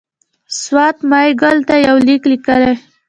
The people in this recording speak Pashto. سوات میاګل ته یو لیک لېږلی.